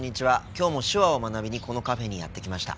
今日も手話を学びにこのカフェにやって来ました。